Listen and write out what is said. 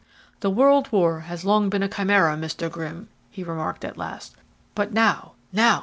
"The world war has long been a chimera, Mr. Grimm," he remarked at last, "but now now!